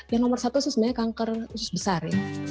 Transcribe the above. yang nomor satu sebenarnya kanker usus besar